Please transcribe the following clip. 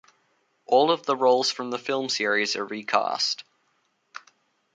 All of the roles from the film series are recast.